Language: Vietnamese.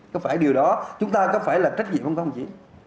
có phải điều đó chúng ta có phải là trách nhiệm không không chị